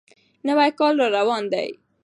نوی کال را روان دی.